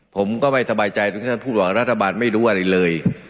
ผมก็ไม่สบายใจตรงที่ท่านพูดว่ารัฐบาลไม่รู้อะไรเลย